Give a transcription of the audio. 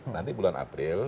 nanti bulan april